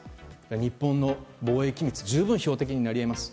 日本の防衛機密十分標的になり得ます。